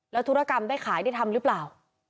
แล้วธุรกรรมได้ขายได้ทำหรือเปล่า